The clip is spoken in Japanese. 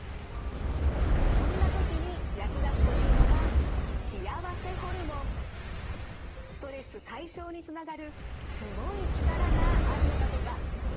そんな時に役立つというのがストレス解消につながるすごい力があるのだとか。